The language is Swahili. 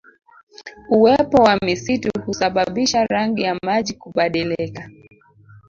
Uwepo wa misitu husababisha rangi ya maji kubadilika